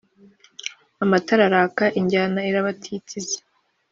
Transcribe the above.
Amatara araka injyana irabatitiza